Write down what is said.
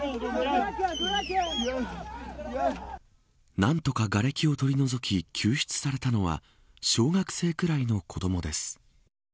何とか、がれきを取り除き救出されたのは小学生くらいの子どもです。